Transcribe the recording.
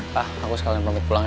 pa aku sekalian pamit pulang ya